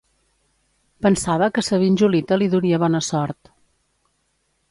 Pensava que sa vinjolita li duria bona sort